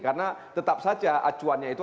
karena tetap saja acuannya itu